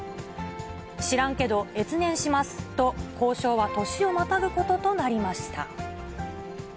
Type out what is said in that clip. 知らんけど、越年しますと、交渉は年をまたぐこととなりました。